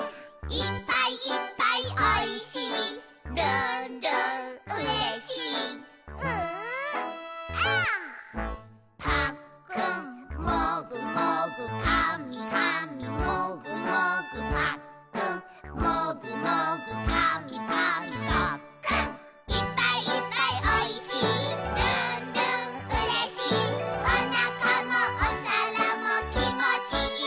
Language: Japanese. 「いっぱいいっぱいおいしいるんるんうれしい」「おなかもおさらもきもちいい」